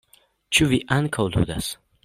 Ĉu vi ankaŭ ludas?